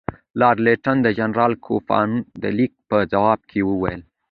لارډ لیټن د جنرال کوفمان د لیک په ځواب کې وویل.